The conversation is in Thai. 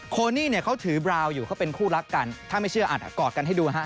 โคนี่เขาถือบราวอยู่เขาเป็นคู่รักกันถ้าไม่เชื่อกอดกันให้ดูนะครับ